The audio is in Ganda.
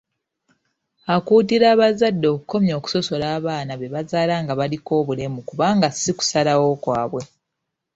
Akuutira abazadde okukomya okusosola abaana be bazaala nga baliko obulemu kubanga si kusalawo kwabwe.